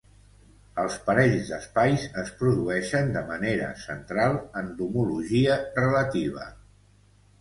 Els parells d'espais es produeixen de manera central en l'homologia relativa.